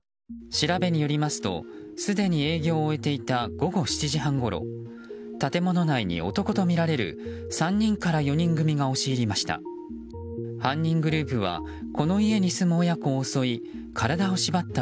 調べによりますとすでに営業を終えていた午後７時半ごろ建物内に男とみられる３人から４人組が押し入りました。